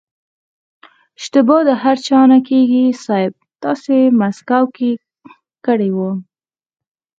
اشتبا د هر چا نه کېږي صيب تاسې مسکو کې کړې وه.